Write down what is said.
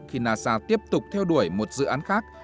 khi nasa tiếp tục theo đuổi một dự án khác